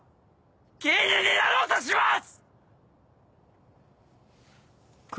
芸人になろうとします‼